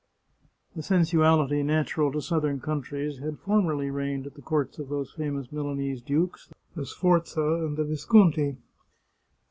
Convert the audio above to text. The sensuality natural to southern countries had for merly reigned at the courts of those famous Milanese dukes, the Sforza and the Visconti.